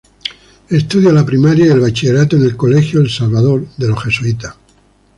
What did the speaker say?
Estudia la primaria y el bachillerato en el colegio El Salvador, de los jesuitas.